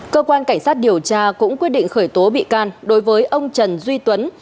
cơ quan cảnh sát điều tra cũng quyết định khởi tố bị can đối với ông trần duy tuấn